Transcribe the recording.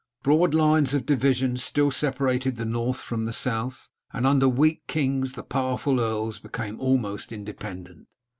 Broad lines of division still separated the North from the South, and under weak Kings the powerful Earls became almost independent.